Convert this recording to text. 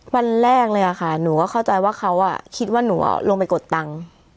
วันแรกเลยค่ะหนูก็เข้าใจว่าเขาคิดว่าหนูลงไปกดตังค์